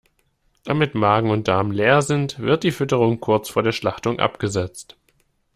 Damit Magen und Darm leer sind, wird die Fütterung kurz vor der Schlachtung abgesetzt.